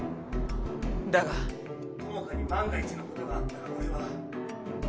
だが友果に万が一のことがあったら俺は